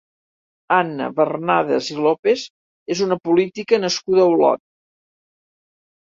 Anna Barnadas i López és una política nascuda a Olot.